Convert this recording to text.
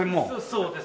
そうです。